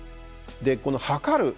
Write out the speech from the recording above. でこの測る。